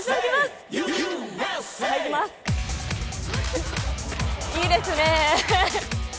あいいですね。